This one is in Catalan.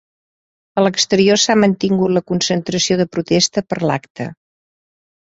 A l’exterior s’ha mantingut la concentració de protesta per l’acte.